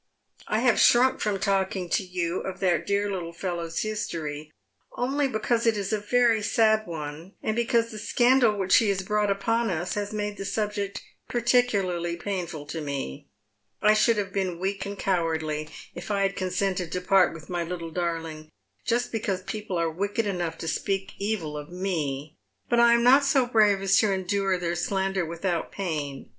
" I have shrunk from talking to you of that dear little fellow's histoiy only because it is a very sad one, and because the scandal which he has brought upon us has made the subject particularly painful to me. I should have been weak and cowardly if I had consented to part with my little darling just because people are wicked enough to speak evil of me, but I am not so brave as to endure their slander without pain.